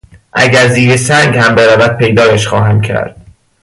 اگر زیر سنگ هم برود پیدایش خواهم کرد!